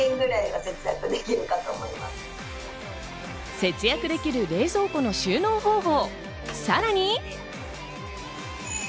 節約できる冷蔵庫の収納方法。